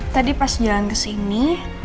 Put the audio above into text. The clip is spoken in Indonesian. tadi pas jalan kesini